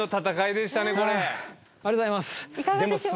ありがとうございます。